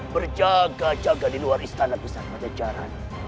berjaga jaga di luar istana pesat matajaran